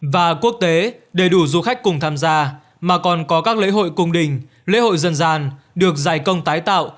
và quốc tế đầy đủ du khách cùng tham gia mà còn có các lễ hội cung đình lễ hội dân gian được giải công tái tạo